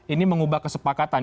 ini mengubah kesepakatan